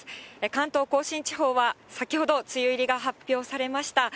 関東甲信地方は、先ほど梅雨入りが発表されました。